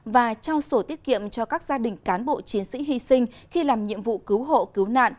và trao sổ tiết kiệm cho các gia đình cán bộ chiến sĩ hy sinh khi làm nhiệm vụ cứu hộ cứu nạn